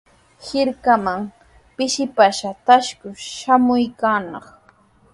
Hirkaman pishipashqa traykurshi samaykunaq.